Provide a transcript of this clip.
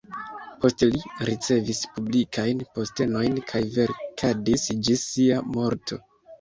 Poste li ricevis publikajn postenojn kaj verkadis ĝis sia morto.